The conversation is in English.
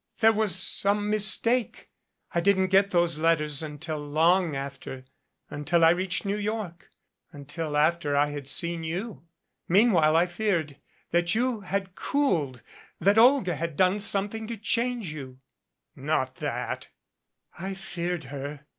There was some mistake. I cidn't get those letters until long after until I reached New York until after I had seen you. Meanwhile, I feared that you had cooled that Olga had done some thing to change you " "Not that" "I feared her.